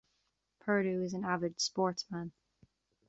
Perdue is an avid sportsman.